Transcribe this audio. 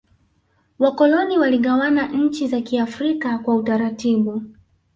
wakoloni waligawana nchi za kiafrika kwa utaratibu